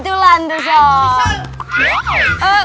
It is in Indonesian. nah kebetulan tuh sok